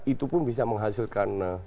itu pun bisa menghasilkan